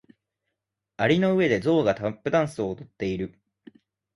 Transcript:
蟻の上でゾウがタップダンスを踊っている。